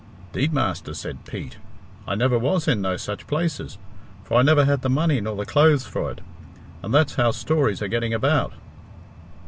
"'Deed, master," said Pete, "I never was in no such places, for I never had the money nor the clothes for it, and that's how stories are getting about."